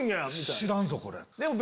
知らんぞこれ。